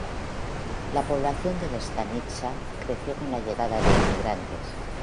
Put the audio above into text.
La población de la "stanitsa" creció con la llegada de inmigrantes.